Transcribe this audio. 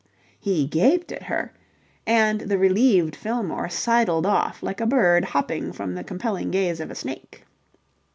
He gaped at her, and the relieved Fillmore sidled off like a bird hopping from the compelling gaze of a snake.